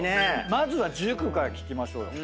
まずは塾から聞きましょうよ。